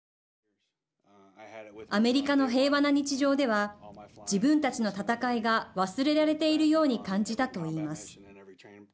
アメリカの平和な日常では自分たちの戦いが忘れられているように感じたと言います。